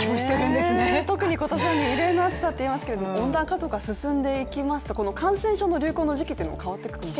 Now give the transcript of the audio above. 特に今年は異例の暑さといいますけど温暖化とかが進んでいきますとこの感染症の流行の時期も変わっていくんですね。